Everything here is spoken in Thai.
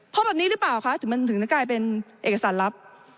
พบแบบนี้หรือเปล่าคะถึงมันถึงจะกลายเป็นเอกสารลับ